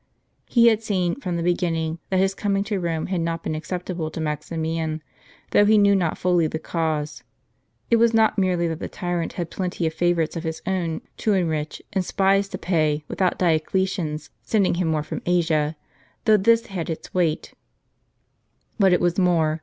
He had seen, from the beginning, that his com ing to Rome had not been acceptable to Maximian, though he knew not fully the cause. It was not mei'ely that the tyrant had plenty of favorites of his own to enrich, and spies to pay, without Dioclesian's sending him more from Asia, though this had its weight; but it was more.